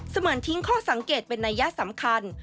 เหมือนทิ้งข้อสังเกตเป็นนัยยะสำคัญ